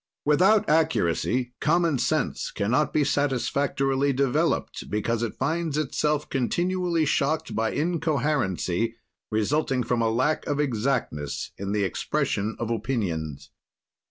Without accuracy, common sense can not be satisfactorily developed, because it finds itself continually shocked by incoherency, resulting from a lack of exactness in the expression of opinions."